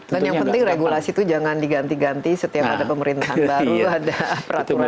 dan yang penting regulasi itu jangan diganti ganti setiap ada pemerintahan baru ada peraturan baru